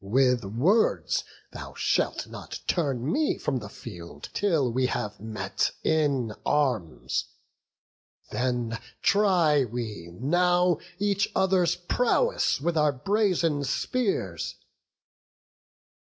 With words thou shalt not turn me from the field, Till we have met in arms; then try we now Each other's prowess with our brazen spears."